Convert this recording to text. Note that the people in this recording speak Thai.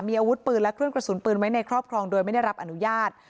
มีอาวุธปืนและเครื่องกระสุนปืนไว้ในครอบครองโดยไม่ได้รับอนุญาต